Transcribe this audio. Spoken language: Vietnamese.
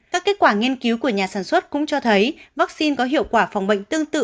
các kết quả nghiên cứu của nhà sản xuất cũng cho thấy vaccine có hiệu quả phòng bệnh tương tự